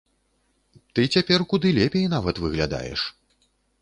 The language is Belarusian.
Ты цяпер куды лепей нават выглядаеш.